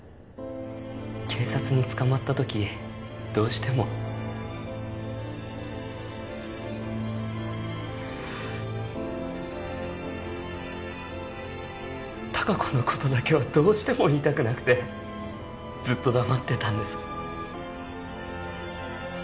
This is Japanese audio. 警察に捕まったときどうしても多佳子のことだけはどうしても言いたくなくてずっと黙ってたんです